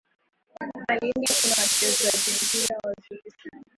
Malindi kuna wachezaji mpira wazuri sana.